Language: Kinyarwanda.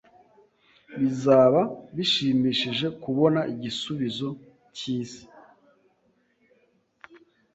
Bizaba bishimishije kubona igisubizo cyisi